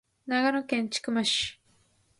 長野県千曲市